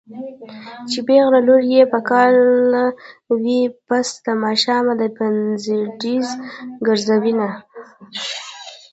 چې پېغله لور يې په کاله وي پس د ماښامه دې پنځډزی ګرځوينه